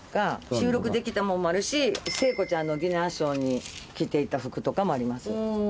収録で着たもんもあるし聖子ちゃんのディナーショーに着て行った服とかもあります。